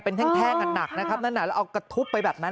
เป็นแท่งหนักนะครับนั่นน่ะแล้วเอากระทุบไปแบบนั้น